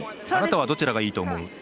あなたはどちらがいいと思う？